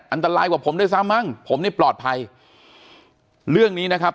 อันตรายกว่าผมด้วยซ้ำมั้งผมนี่ปลอดภัยเรื่องนี้นะครับ